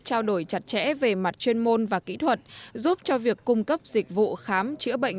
trao đổi chặt chẽ về mặt chuyên môn và kỹ thuật giúp cho việc cung cấp dịch vụ khám chữa bệnh